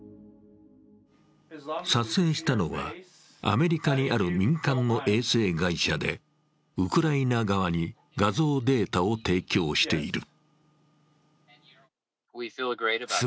撮影したのは、アメリカにある民間の衛星会社で、ウクライナ側に画像データを提供している。